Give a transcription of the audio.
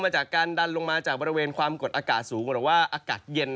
จากการดันลงมาจากบริเวณความกดอากาศสูงหรือว่าอากาศเย็น